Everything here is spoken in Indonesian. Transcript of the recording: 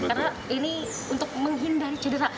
karena ini untuk menghindar cedera